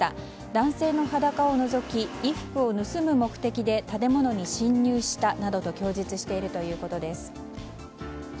男性の裸をのぞき衣服を盗む目的で建物に侵入したなどと供述しているということです。